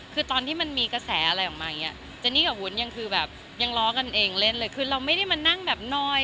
คือตอนที่มันมีกระแสอะไรออกมาอย่างเงี้เจนี่กับวุ้นยังคือแบบยังล้อกันเองเล่นเลยคือเราไม่ได้มานั่งแบบน้อย